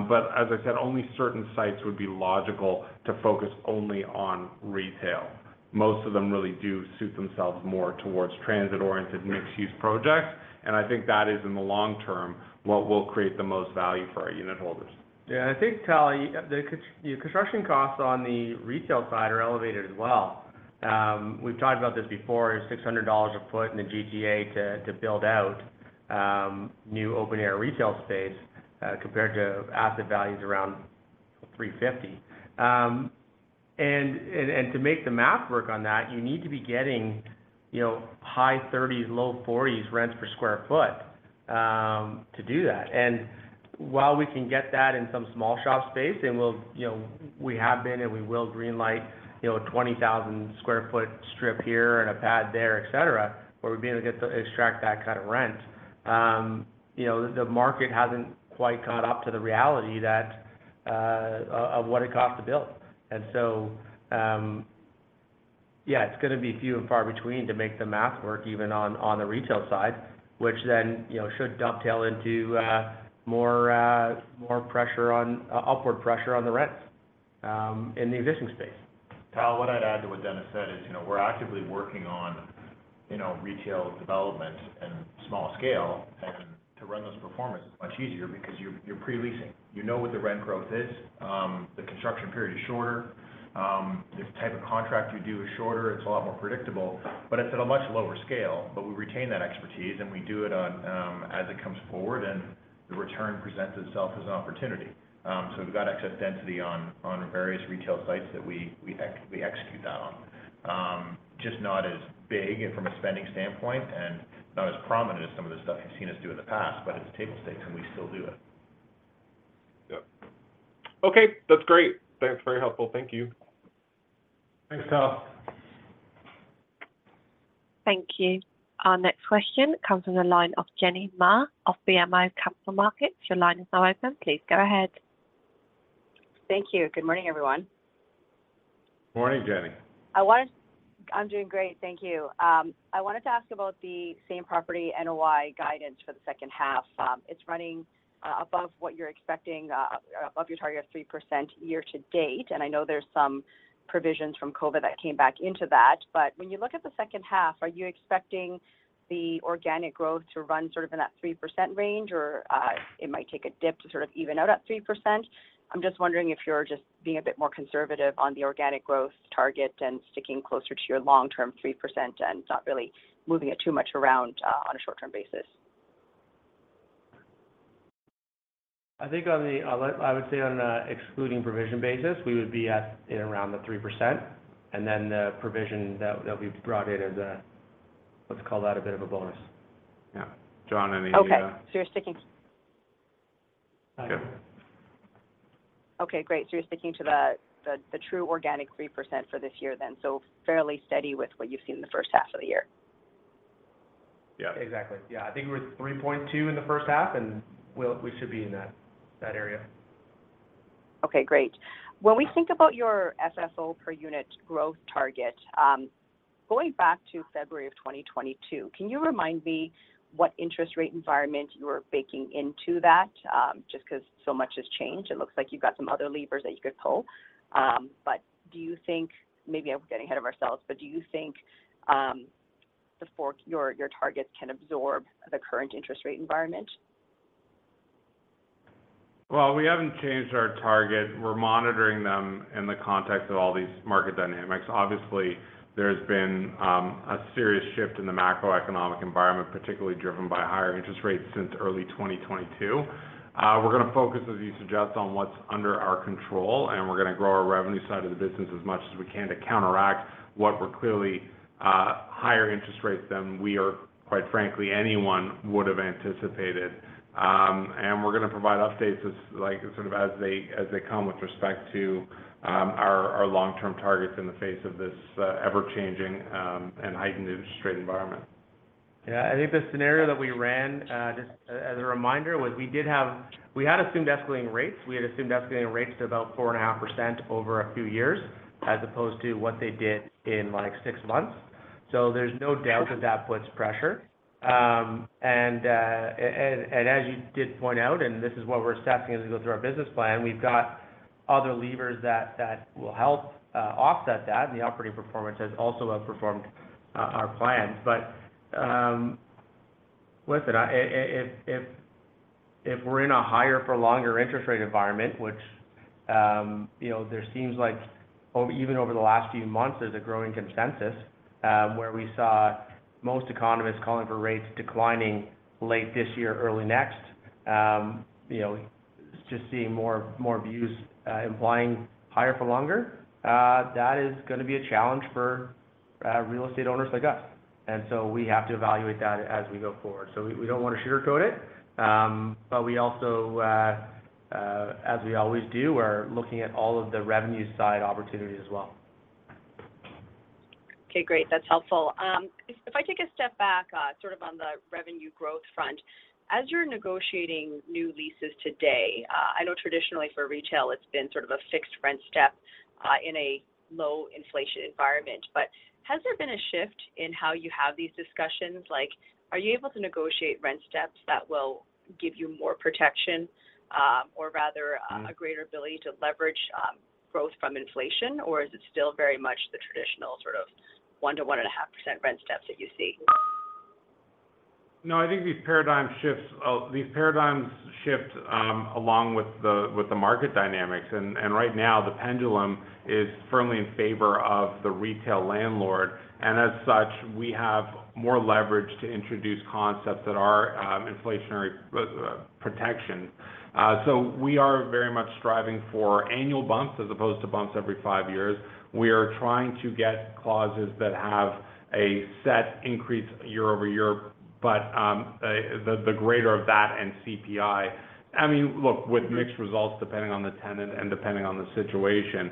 but as I said, only certain sites would be logical to focus only on retail. Most of them really do suit themselves more towards transit-oriented, mixed-use projects, and I think that is, in the long term, what will create the most value for our unit holders. Yeah, I think, Tal, the construction costs on the retail side are elevated as well. We've talked about this before, 600 dollars a foot in the GTA to build out new open-air retail space compared to asset values around 350. To make the math work on that, you need to be getting, you know, high 30s, low 40s rents per square foot to do that. While we can get that in some small shop space, and we'll, you know, we have been and we will greenlight, you know, a 20,000 square foot strip here and a pad there, et cetera, where we're being able to get to extract that kind of rent. You know, the market hasn't quite caught up to the reality that of what it costs to build. Yeah, it's gonna be few and far between to make the math work, even on, on the retail side, which then, you know, should dovetail into, more, more pressure on, upward pressure on the rents, in the existing space. Tal, what I'd add to what Dennis said is, you know, we're actively working on, you know, retail development and small scale, and to run those pro formas is much easier because you're, you're pre-leasing. You know what the rent growth is, the construction period is shorter, the type of contract you do is shorter, it's a lot more predictable, but it's at a much lower scale. We retain that expertise, and we do it on, as it comes forward and the return presents itself as an opportunity. We've got excess density on, on various retail sites that we, we execute that on. Just not as big from a spending standpoint, and not as prominent as some of the stuff you've seen us do in the past, but it's table stakes, and we still do it. Yep. Okay, that's great. Thanks, very helpful. Thank you. Thanks, Tal. Thank you. Our next question comes from the line of Jenny Ma of BMO Capital Markets. Your line is now open. Please go ahead. Thank you. Good morning, everyone. Morning, Jenny. I'm doing great, thank you. I wanted to ask about the same property NOI guidance for the second half. It's running above what you're expecting, above your target of 3% year to date. I know there's some provisions from COVID that came back into that, but when you look at the second half, are you expecting the organic growth to run sort of in that 3% range, or it might take a dip to sort of even out at 3%? I'm just wondering if you're just being a bit more conservative on the organic growth target and sticking closer to your long-term 3% and not really moving it too much around on a short-term basis. I think on the, I would say on the excluding provision basis, we would be at, in around the 3%, and then the provision that, that we brought in as a, let's call that a bit of a bonus. Yeah. John, any, Okay, you're sticking- Yeah. Okay, great. You're sticking to the, the, the true organic 3% for this year then. Fairly steady with what you've seen in the first half of the year. Yeah. Exactly. Yeah, I think we're 3.2 in the first half, and we should be in that area. Okay, great. When we think about your FFO per unit growth target, going back to February of 2022, can you remind me what interest rate environment you were baking into that? Just 'cause so much has changed. It looks like you've got some other levers that you could pull. Do you think, maybe I'm getting ahead of ourselves, but do you think, your, your targets can absorb the current interest rate environment? Well, we haven't changed our target. We're monitoring them in the context of all these market dynamics. Obviously, there's been a serious shift in the macroeconomic environment, particularly driven by higher interest rates since early 2022. We're gonna focus, as you suggest, on what's under our control, and we're gonna grow our revenue side of the business as much as we can to counteract what were clearly higher interest rates than we are, quite frankly, anyone would have anticipated. We're gonna provide updates as, like, sort of as they, as they come with respect to our, our long-term targets in the face of this ever-changing and heightened interest rate environment. Yeah, I think the scenario that we ran, just as a reminder, was we had assumed escalating rates. We had assumed escalating rates to about 4.5% over a few years, as opposed to what they did in, like, 6 months. There's no doubt that that puts pressure. As you did point out, and this is what we're assessing as we go through our business plan, we've got other levers that, that will help offset that, and the operating performance has also outperformed our plans. Listen, if we're in a higher for longer interest rate environment, which, you know, there seems like over, even over the last few months, there's a growing consensus, where we saw most economists calling for rates declining late this year, early next. You know, just seeing more, more views, implying higher for longer, that is gonna be a challenge for real estate owners like us. We have to evaluate that as we go forward. We, we don't want to sugarcoat it, but we also, as we always do, are looking at all of the revenue side opportunities as well. Okay, great. That's helpful. If, if I take a step back, sort of on the revenue growth front, as you're negotiating new leases today, I know traditionally for retail, it's been sort of a fixed rent step, in a low inflation environment. Has there been a shift in how you have these discussions? Like, are you able to negotiate rent steps that will give you more protection, or rather, a greater ability to leverage, growth from inflation, or is it still very much the traditional sort of 1%-1.5% rent steps that you see? No, I think these paradigm shifts, these paradigms shift, along with the, with the market dynamics. Right now, the pendulum is firmly in favor of the retail landlord, and as such, we have more leverage to introduce concepts that are, inflationary, protection. We are very much striving for annual bumps as opposed to bumps every 5 years. We are trying to get clauses that have a set increase year over year, but, the, the greater of that and CPI. I mean, look, with mixed results, depending on the tenant and depending on the situation.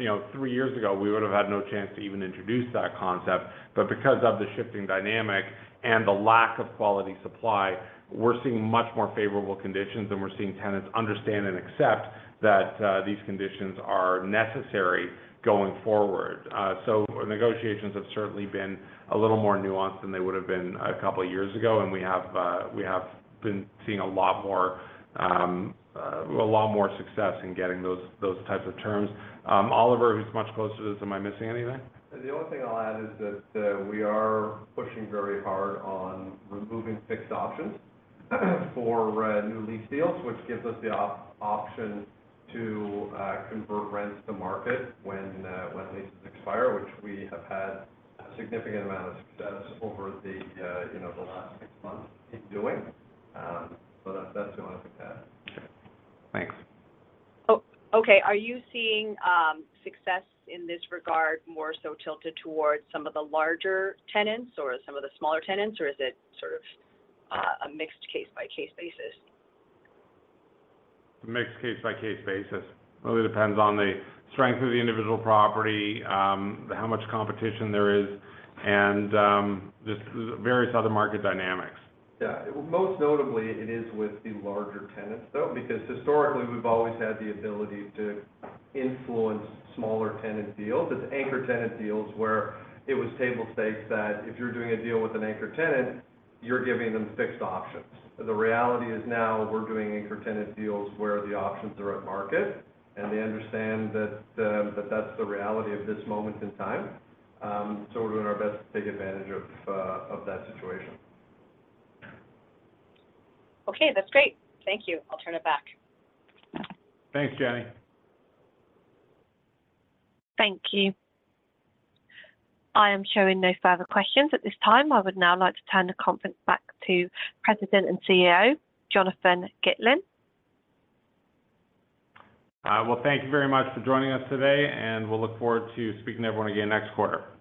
You know, 3 years ago, we would have had no chance to even introduce that concept. Because of the shifting dynamic and the lack of quality supply, we're seeing much more favorable conditions, and we're seeing tenants understand and accept that these conditions are necessary going forward. Negotiations have certainly been a little more nuanced than they would have been a couple of years ago, and we have, we have been seeing a lot more, a lot more success in getting those, those types of terms. Oliver, who's much closer to this, am I missing anything? The only thing I'll add is that, we are pushing very hard on removing fixed options for new lease deals, which gives us the option to convert rents to market when leases expire, which we have had a significant amount of success over the, you know, the last six months in doing. So that's, that's the only thing to add. Thanks. Oh, okay. Are you seeing success in this regard, more so tilted towards some of the larger tenants or some of the smaller tenants, or is it sort of a mixed case-by-case basis? A mixed case-by-case basis. Really depends on the strength of the individual property, how much competition there is, and, just various other market dynamics. Yeah. Most notably, it is with the larger tenants, though, because historically, we've always had the ability to influence smaller tenant deals. It's anchor tenant deals where it was table stakes that if you're doing a deal with an anchor tenant, you're giving them fixed options. The reality is now we're doing anchor tenant deals where the options are at market, and they understand that that's the reality of this moment in time. We're doing our best to take advantage of that situation. Okay, that's great. Thank you. I'll turn it back. Thanks, Jenny. Thank you. I am showing no further questions at this time. I would now like to turn the conference back to President and CEO, Jonathan Gitlin. Well, thank you very much for joining us today, and we'll look forward to speaking to everyone again next quarter. Bye-bye.